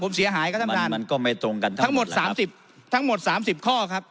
ผมเสียหายครับท่านพระธานมันก็ไม่ตรงกันทั้งหมด๓๐ข้อครับ